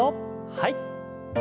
はい。